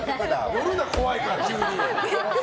寄るな怖いから、急に。